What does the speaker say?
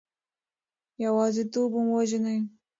یوازیتوب مو وژني.